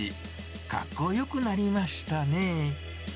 かっこよくなりましたね。